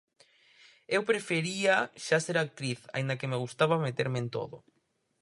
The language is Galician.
Eu prefería xa ser actriz, aínda que me gustaba meterme en todo.